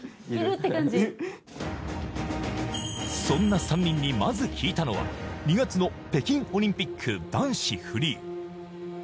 そんな３人にまず聞いたのは、２月の北京オリンピック男子フリー。